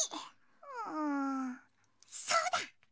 うんそうだ！